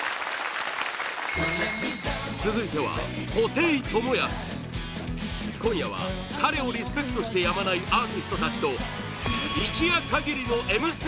続いては、布袋寅泰今夜は彼をリスペクトしてやまないアーティストたちと一夜限りの「Ｍステ」